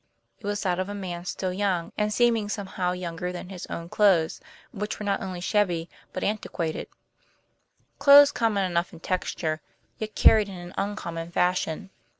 It was that of a man still young, and seeming somehow younger than his own clothes, which were not only shabby but antiquated; clothes common enough in texture, yet carried in an uncommon fashion.